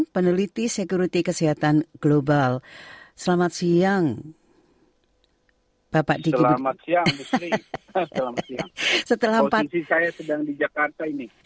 posisi saya sedang di jakarta ini